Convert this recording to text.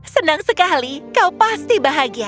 senang sekali kau pasti bahagia